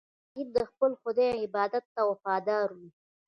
مجاهد د خپل خدای عبادت ته وفادار وي.